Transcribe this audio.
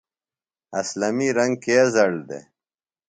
اسلمی رنگ کے زیڑ دےۡ؟